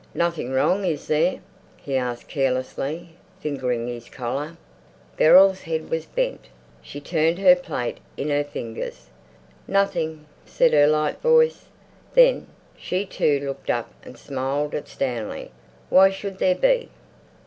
"Nothing wrong, is there?" he asked carelessly, fingering his collar. Beryl's head was bent; she turned her plate in her fingers. "Nothing," said her light voice. Then she too looked up, and smiled at Stanley. "Why should there be?"